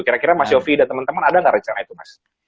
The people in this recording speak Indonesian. kira kira mas yofi dan teman teman ada nggak rencana itu mas